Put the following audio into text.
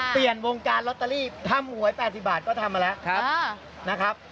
เปลี่ยนวงการลอตเตอรี่ทำหวย๘๐บาทก็ทำมาแล้วครับนะครับ